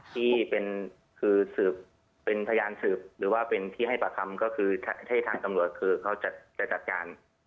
ที่เป็นคือสืบเป็นพยานสืบหรือว่าเป็นที่ให้ปากคำก็คือให้ทางตำรวจคือเขาจะจัดการ